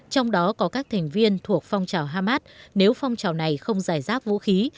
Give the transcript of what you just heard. trong đó có các thành viên thuộc phong trào hamas nếu phong trào này không giải rác vũ khí